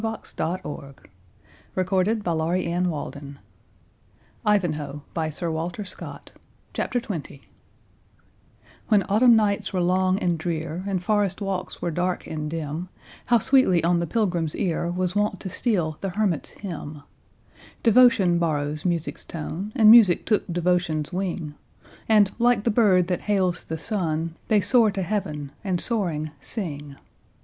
"Offend him not by thy folly, and I trust sincerely that all will go well." CHAPTER XX When autumn nights were long and drear, And forest walks were dark and dim, How sweetly on the pilgrim's ear Was wont to steal the hermit's hymn Devotion borrows Music's tone, And Music took Devotion's wing; And, like the bird that hails the sun, They soar to heaven, and soaring sing.